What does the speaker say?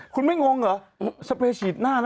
คุณไม่งงเหรอ